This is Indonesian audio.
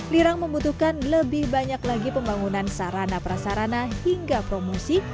lirang membutuhkan lebih banyak lagi pembangunan sarana prasarana hingga promosi